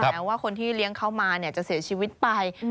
แม้ว่าคนที่เลี้ยงเขามาจะเสียชีวิตไป